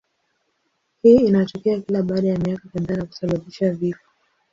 Hii inatokea kila baada ya miaka kadhaa na kusababisha vifo.